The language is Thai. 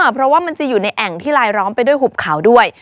เพราะว่ามันจะอยู่ในแอ่งที่ลายล้อมไปด้วยหุบเขาด้วย